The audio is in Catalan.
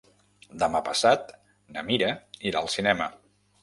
Demà passat na Mira irà al cinema.